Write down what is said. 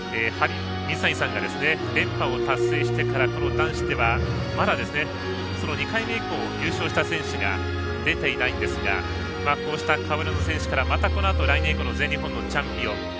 水谷さんが連覇を達成してからこの男子ではまだ２回目以降優勝した選手が出ていないんですがこうした顔ぶれの選手からまたこのあと来年以降の全日本のチャンピオン。